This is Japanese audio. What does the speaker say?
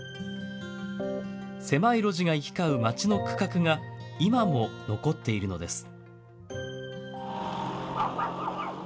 狭い路地が行き交う町の区画が今も残っているのです。